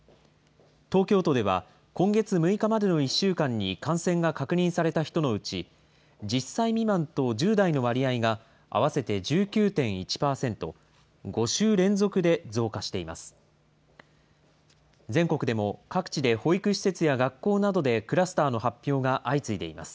東京都では、今月６日までの１週間に感染が確認された人のうち、１０歳未満と１０代の割合が合わせて１９．１％、５週連続で増加しています。